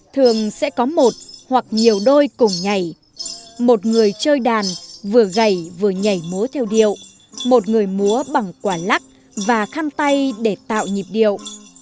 thường sẽ có một hoặc nhiều đôi cùng nhảy một người chơi đàn vừa gầy vừa nhảy múa theo điệu một người múa bằng quả lắc và khăn tay để tạo nhịp điệu